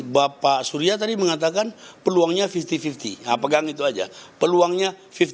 bapak surya tadi mengatakan peluangnya lima puluh lima puluh pegang itu aja peluangnya lima puluh